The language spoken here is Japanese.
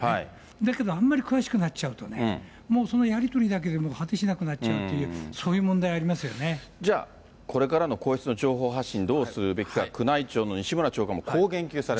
だけどあんまり詳しくなっちゃうとね、もうそのやり取りだけで果てしなくなっちゃうっていうそういう問じゃあ、これからの皇室の情報発信、どうするべきか、宮内庁の西村長官もこう言及されました。